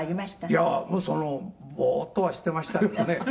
「いやあもうそのボーッとはしてましたけどね」